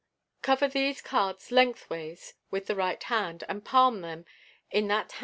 Cover these cards lengthways with the right hand, and palm them in that hand Fig.